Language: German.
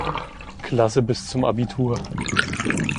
Klasse bis zum Abitur.